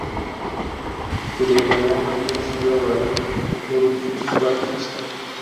burebana n'imibabaro n'urupfu rwa Kristo,